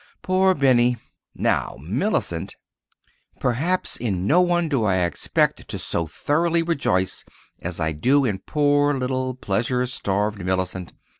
Poor Benny! Now, Mellicent— Perhaps in no one do I expect to so thoroughly rejoice as I do in poor little pleasure starved Mellicent.